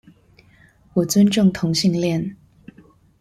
我尊重同性戀